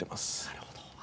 なるほど。